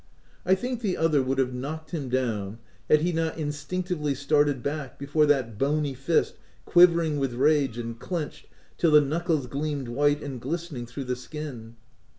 I think the other would have knocked him down, had he not instinctively started back before that bony fist quivering with rage and clenched till the knuckles gleamed white and glistening through the skin.